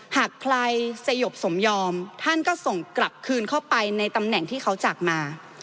หากใครสยบสมยอมท่านก็ส่งกลับคืนเข้าไปในตำแหน่งที่เขาจากมา